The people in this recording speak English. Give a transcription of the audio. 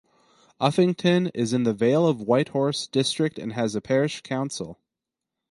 Uffington is in the Vale of White Horse District and has a parish council.